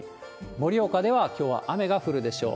盛岡ではきょうは雨が降るでしょう。